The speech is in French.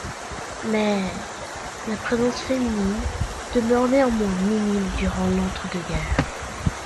Mais la présence féminine demeure néanmoins minime durant l'entre deux guerres.